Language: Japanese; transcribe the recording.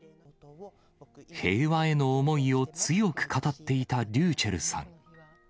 平和への思いを強く語っていたｒｙｕｃｈｅｌｌさん。